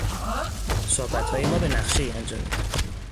صحبتهای ما به نقشهای انجامید.